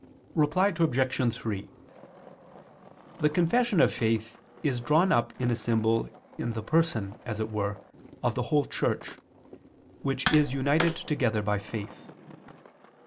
Reply Obj. 3: The confession of faith is drawn up in a symbol in the person, as it were, of the whole Church, which is united together by faith.